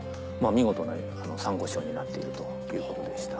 見事なサンゴ礁になっているということでした。